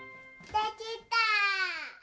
できた！